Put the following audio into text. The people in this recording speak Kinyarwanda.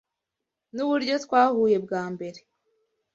Nuburyo twahuye bwa mbere.